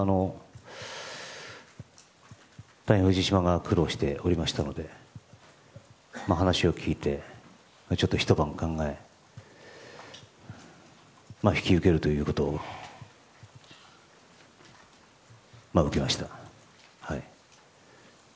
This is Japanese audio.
大変、藤島が苦労しておりましたので話を聞いて、ひと晩考え引き受けるということを受けました。